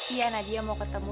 iya nadia mau ketemu